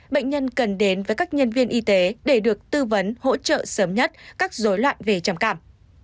bệnh nhân cần đến với các nhân viên y tế để được tư vấn hỗ trợ sớm nhất các dối loạn về trầm cảm